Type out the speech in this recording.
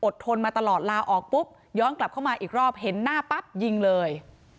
ทนมาตลอดลาออกปุ๊บย้อนกลับเข้ามาอีกรอบเห็นหน้าปั๊บยิงเลย